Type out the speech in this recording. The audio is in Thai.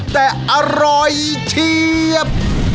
แต่อร่อยเชียบ